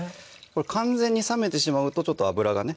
完全に冷めてしまうと油がね